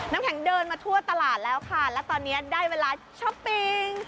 น้ำแข็งเดินมาทั่วตลาดแล้วค่ะและตอนนี้ได้เวลาช้อปปิ้ง